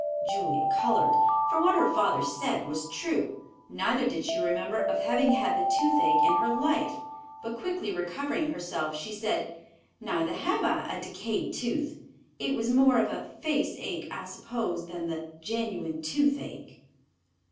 Julia colored, for what her father said was true, neither did she remember of ever having had the toothache in her life; but quickly recovering herself, she said, "Neither have I a decayed tooth. It was more of a faceache, I suppose, than the genuine toothache."